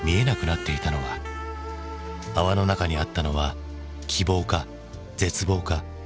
泡の中にあったのは希望か絶望か？